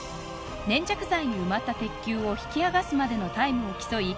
粘着剤に埋まった鉄球を引き剥がすまでのタイムを競いＫＩＮＧ